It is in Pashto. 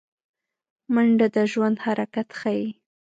منډه د ژوند حرکت ښيي